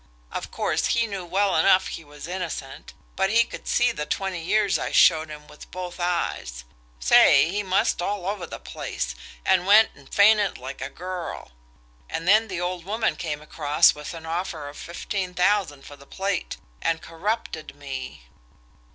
Of course, he knew well enough he was innocent, but he could see the twenty years I showed him with both eyes. Say, he mussed all over the place, and went and fainted like a girl. And then the old woman came across with an offer of fifteen thousand for the plate, and corrupted me."